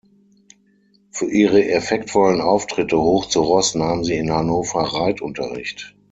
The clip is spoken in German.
Für ihre effektvollen Auftritte hoch zu Ross nahm sie in Hannover Reitunterricht.